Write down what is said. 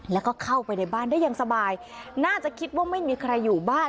แล้วก็เข้าไปในบ้านได้อย่างสบายน่าจะคิดว่าไม่มีใครอยู่บ้าน